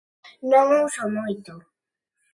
Non o uso moito.